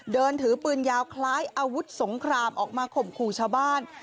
เดินถือปืนยาวคล้ายอาวุธสงครามออกมาข่มขู่ชาวบ้าน